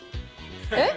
えっ？